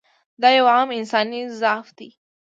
دا یو عام انساني ضعف دی.